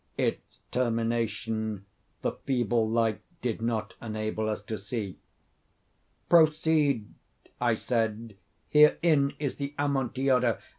Its termination the feeble light did not enable us to see. "Proceed," I said; "herein is the Amontillado.